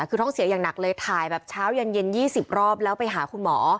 คือท่องเสียอย่างหนักเลยถ่ายแบบเช้าเย็น๒๐รอบแล้วไปหาคุณหมอ